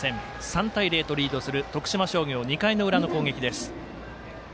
３対０とリードする徳島商業２回の裏の攻撃です。